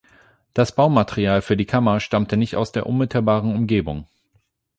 Das Baumaterial für die Kammer stammte nicht aus der unmittelbaren Umgebung.